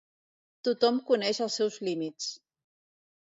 Tothom coneix els seus límits.